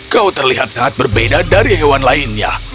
kau terlihat sangat berbeda dari hewan lainnya